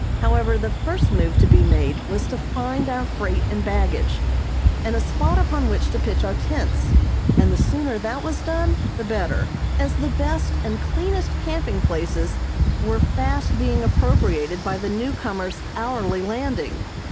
However, the first move to be made was to find our freight and baggage, and a spot upon which to pitch our tents, and the sooner that was done the better, as the test and cleanest camping places were fast being appropriated by the newcomers hourly landing.